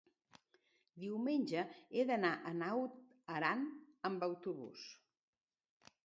diumenge he d'anar a Naut Aran amb autobús.